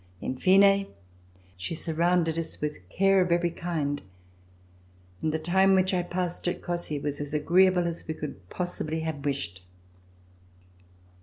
In fine, she sur rounded us with care of every kind, and the time which I passed at Cossey was as agreeable as we could have possibly wished.